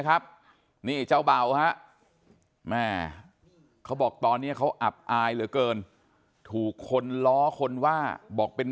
ครับนี่เจ้าเบาฮะแม่เขาบอกตอนนี้เขาอับอายเหลือเกินถูกคนล้อคนว่าบอกเป็น